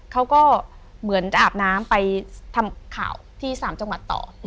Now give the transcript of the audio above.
เขาก็เหมือนจะอาบน้ำไปทำข่าวที่๓จังหวัดต่อ